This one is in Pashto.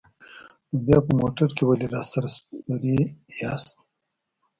نو بیا په موټر کې ولې راسره سپرې یاست؟